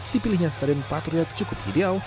dipilihnya stadion patriot cukup ideal